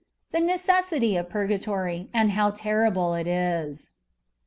THE NECESSITT OF PURQATOKr, AND HOW TERRIBLB IT IS.